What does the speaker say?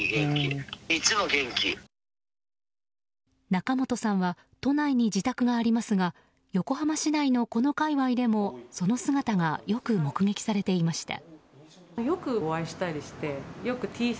仲本さんは都内に自宅がありますが横浜市内のこの界隈でもその姿がよく目撃されていました。